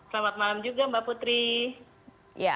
selamat malam juga mbak putri